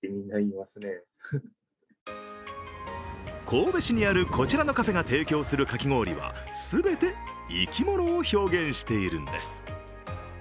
神戸市にある、こちらのカフェが提供するかき氷は全て生き物を表現しているんです。